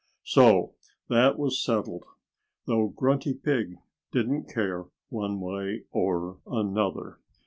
So that was settled though Grunty Pig didn't care one way or another.